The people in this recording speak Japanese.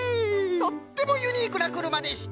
とってもユニークなくるまでした。